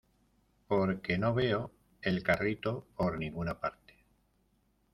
porque no veo el carrito por ninguna parte.